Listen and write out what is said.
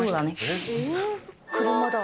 車だ。